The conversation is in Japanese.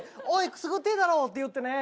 くすぐってぇだろ！」って言ってね。